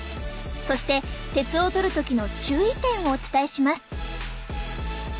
そして鉄をとる時の注意点をお伝えします